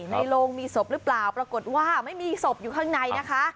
ในโรงมีศพหรือเปล่าปรากฏว่าไม่มีศพอยู่ข้างในนะคะ